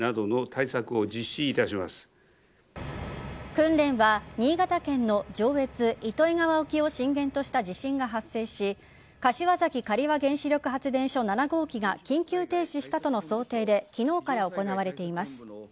訓練は新潟県の上越糸魚川沖を震源とした地震が発生し柏崎刈羽原子力発電所７号機が緊急停止したとの想定で昨日から行われています。